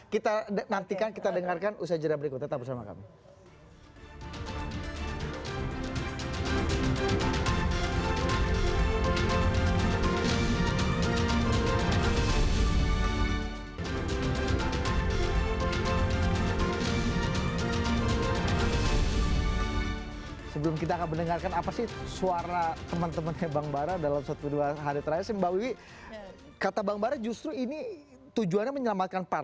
kita nantikan kita dengarkan usai jalan berikutnya